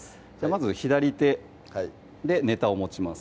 まず左手でネタを持ちます